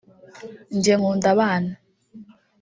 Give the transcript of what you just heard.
Njye nkunda abana